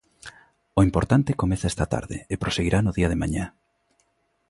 O importante comeza esta tarde e proseguirá no día de mañá.